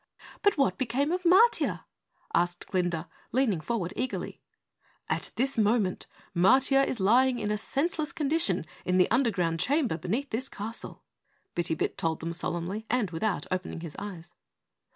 "But what became of Matiah?" asked Glinda, leaning forward eagerly. "At this moment Matiah is lying in a senseless condition in the underground chamber beneath this castle," Bitty Bit told them solemnly and without opening his eyes.